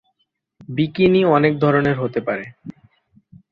Bikini অনেক ধরনের হতে পারে।